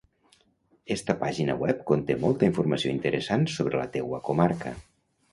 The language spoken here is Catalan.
Esta pàgina web conté molta informació interessant sobre la teua comarca.